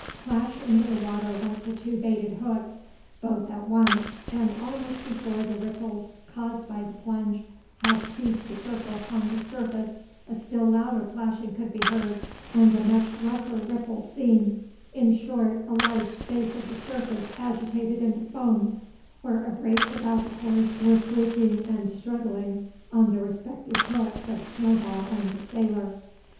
Plash into the water went the two baited hooks, both at once; and, almost before the ripples caused by the plunge had ceased to circle upon the surface, a still louder plashing could be heard, and a much rougher ripple seen, in short, a large space of the surface agitated into foam, where a brace of albacores were fluking and struggling on the respective hooks of Snowball and the sailor.